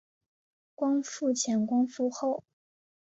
光复前光复后